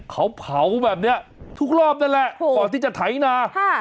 เขาเผาแบบนี้ทุกรอบนั่นแหละก่อนที่จะไถนา